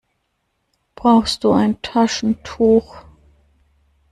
Brauchst du ein Taschentuch?